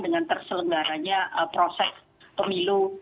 dengan terselenggaranya proses pemilu